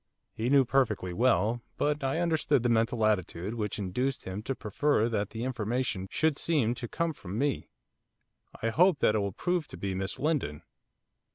He knew perfectly well, but I understood the mental attitude which induced him to prefer that the information should seem to come from me. 'I hope that it will prove to be Miss Lindon.